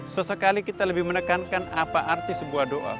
sesekali kita lebih menekankan apa arti sebuah doa